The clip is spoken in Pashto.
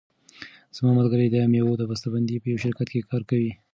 زما ملګری د مېوو د بسته بندۍ په یوه شرکت کې کار کوي.